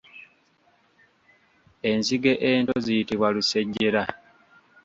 Enzige ento ziyitibwa Lusejjera.